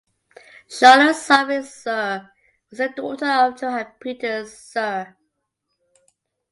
Charlotte Sophie Suhr was the daughter of Johan Peter Suhr.